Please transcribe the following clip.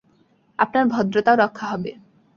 আপনার ভদ্রতাও রক্ষা হবে।